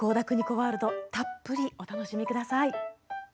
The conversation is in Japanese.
ワールドたっぷりお楽しみください。